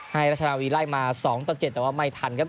รัชนาวีไล่มา๒ต่อ๗แต่ว่าไม่ทันครับ